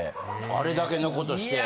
あれだけのことして。